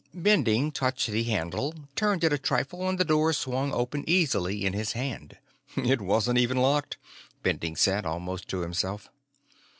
Bending touched the handle, turned it a trifle, and the door swung open easily in his hand. "It wasn't even locked," Bending said, almost to himself.